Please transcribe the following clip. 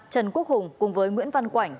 trần quốc hùng cùng với nguyễn văn quảnh